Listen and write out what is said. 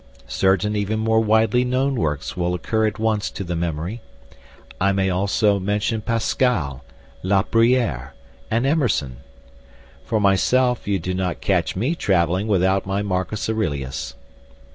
Certain even more widely known works will occur at once to the memory. I may also mention Pascal, La Bruyere, and Emerson. For myself, you do not catch me travelling without my Marcus Aurelius.